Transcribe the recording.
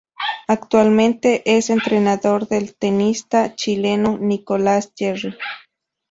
Actualmente es entrenador del tenista chileno Nicolás Jarry.